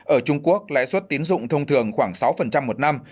ở trung quốc lãi suất tiến dụng thông thường khoảng sáu một năm